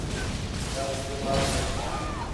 ٻیال کڈے ٻاہروں ویساں